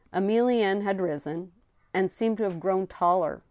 Emilienne had risen, and seemed to have grown taller.